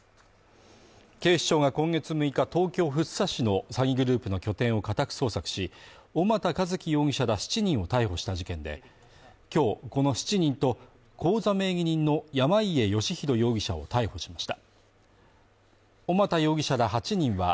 警視庁が今月６日、東京・福生市の詐欺グループの拠点を家宅捜索し小俣一毅容疑者ら７人を逮捕した事件で、今日この７人と、口座名義人の山家好弘容疑者を逮捕しました。